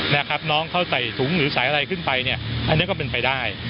นะครับน้องเขาใส่ถุงหรือสายอะไรขึ้นไปเนี่ยอันนี้ก็เป็นไปได้